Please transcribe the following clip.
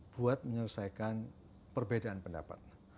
buat menyelesaikan perbedaan pendapat